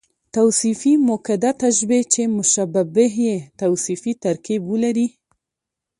توصيفي مؤکده تشبیه، چي مشبه به ئې توصیفي ترکيب ولري.